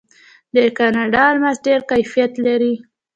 د کاناډا الماس ډیر کیفیت لري.